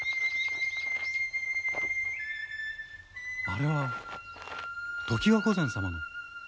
あれは常磐御前様の？